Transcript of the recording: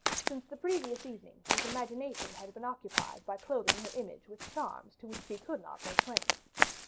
Since the previous evening his imagination had been occupied by clothing her image with charms to which she could not lay claim.